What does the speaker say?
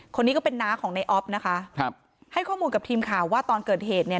คนนี้ก็เป็นน้าของในออฟนะคะครับให้ข้อมูลกับทีมข่าวว่าตอนเกิดเหตุเนี่ย